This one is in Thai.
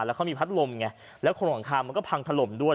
แล้วเขามีพัดลมไงแล้วคนหลังคามันก็พังถล่มด้วย